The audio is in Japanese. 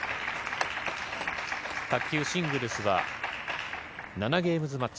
卓球シングルスは７ゲームズマッチ。